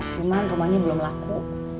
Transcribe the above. cuman rumahnya belum laku